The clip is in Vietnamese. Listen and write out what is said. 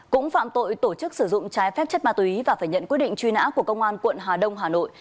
cũng phạm tội tổ chức sử dụng trái phép chất ma túy và phải nhận quyết định truy nã của công an quận hà đông hà nội